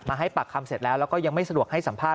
ให้ปากคำเสร็จแล้วแล้วก็ยังไม่สะดวกให้สัมภาษ